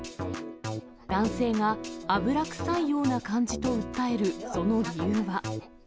男性が油臭いような感じと訴えるその理由は。